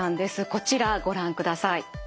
こちらご覧ください。